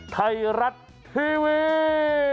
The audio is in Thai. ไทยรัฐทีวี